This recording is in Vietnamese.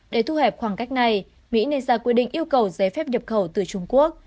để thu hẹp khoảng cách này mỹ nên ra quy định yêu cầu giấy phép nhập khẩu từ trung quốc